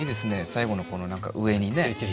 最後のこの何か上にね